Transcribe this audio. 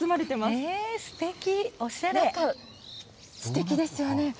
すてきですよね。